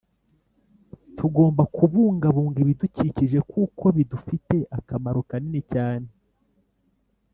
Tugomba kubungabunga ibidukikije kuko bidufite akamaro kanini cyane